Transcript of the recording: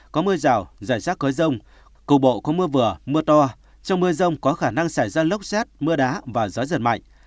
có mưa rào giải rác khói rông cuộc bộ có mưa vừa mưa to trong mưa rông có khả năng xảy ra lốc chét mưa đá và gió giật mạnh